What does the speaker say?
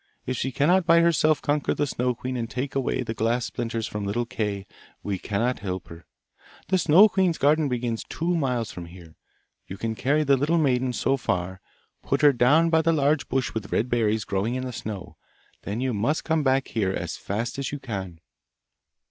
If she cannot by herself conquer the Snow queen and take away the glass splinters from little Kay, we cannot help her! The Snow queen's garden begins two miles from here. You can carry the little maiden so far; put her down by the large bush with red berries growing in the snow. Then you must come back here as fast as you can.